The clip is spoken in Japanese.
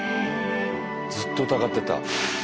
ずっと疑ってた。